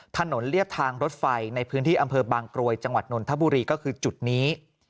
เรียบทางรถไฟในพื้นที่อำเภอบางกรวยจังหวัดนนทบุรีก็คือจุดนี้